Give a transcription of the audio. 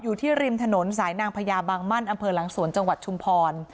อยู่ที่ริมถนนสายนางพญาบางมั่นอำเภอหลังสวนจังหวัดชุมพร